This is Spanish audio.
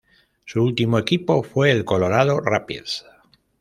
Su último equipo fue el Colorado Rapids.